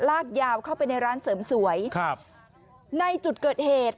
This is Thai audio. ลากยาวเข้าไปในร้านเสริมสวยครับในจุดเกิดเหตุ